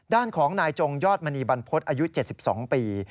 ด้านของนายจงยอดมณีบรรพฤษอายุ๗๒ปี